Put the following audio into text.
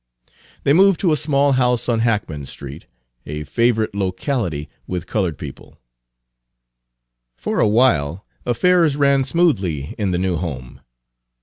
They moved to a small house on Hackman Street, a favorite locality with colored people. Page 248 For a while, affairs ran smoothly in the new home.